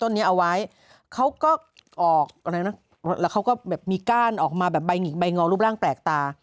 นี้เอาไว้เขาก็ออกอะไรนะแล้วเขาก็แบบมีก้านออกมาแบบใบหงิกใบงอรูปร่างแปลกตา